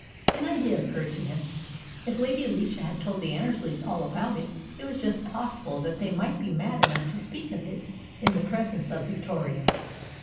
An idea occurred to him. If Lady Alicia had told the Annersleys all about it, it was just possible that they might be mad enough to speak of it in the pres ence of Victoria.